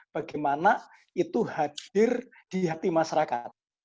bagaimana itu hadir di hati masyarakat